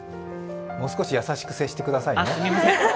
もう少し優しく接してくださいね。